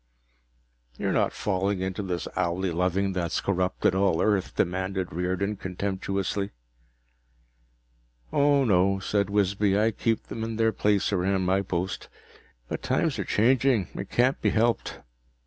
"You're not falling into this owlie loving that's corrupted all Earth?" demanded Riordan contemptuously. "Oh, no," said Wisby. "I keep them in their place around my post. But times are changing. It can't be helped."